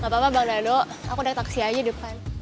gapapa bang dadoh aku naik taksi aja depan